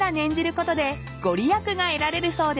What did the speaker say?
ことで御利益が得られるそうです］